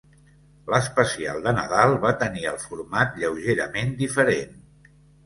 L'especial de Nadal va tenir el format lleugerament diferent.